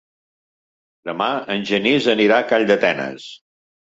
Demà en Genís anirà a Calldetenes.